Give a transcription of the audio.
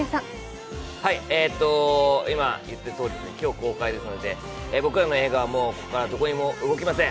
今、言ったとおり今日公開ですので僕らの映画はもうここからどこにも動きません。